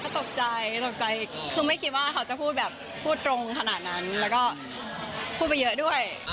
ตกใจตกใจคือไม่คิดว่าเขาจะพูดแบบพูดตรงขนาดนั้นแล้วก็พูดไปเยอะด้วย